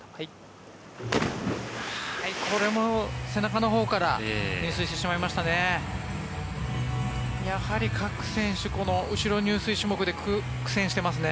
これも背中のほうから入水してしまいましたね。